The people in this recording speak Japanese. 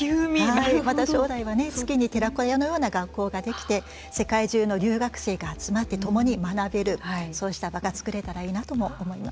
また将来は月に寺子屋みたいな学校ができて世界中の留学生が集まって共に学べるそうした場が作れたらいいなとも思います。